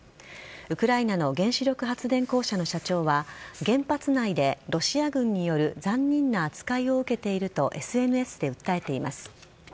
ウクライナの原子力発電公社の社長は原発内で、ロシア軍による残忍な扱いを受けているとＳＮＳで訴えています。